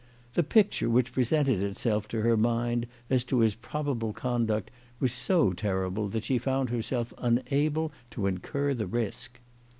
The picture which presented itself to her mind as to his probable conduct was so terrible that she found herself unable to incur the risk.